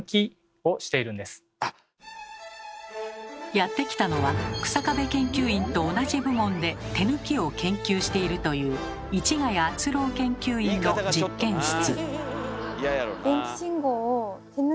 やって来たのは日下部研究員と同じ部門で「手抜き」を研究しているという市ヶ谷敦郎研究員の実験室。